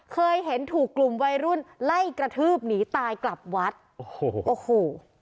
เคยเห็นถูกกลุ่มวัยรุ่นไล่กระทืบหนีตายกลับวัดโอ้โหโอ้โห